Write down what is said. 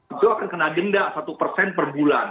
itu akan kena denda satu persen per bulan